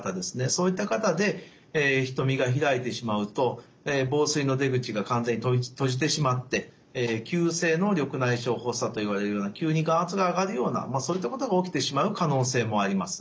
そういった方で瞳がひらいてしまうと房水の出口が完全に閉じてしまって急性の緑内障発作といわれるような急に眼圧が上がるようなそういったことが起きてしまう可能性もあります。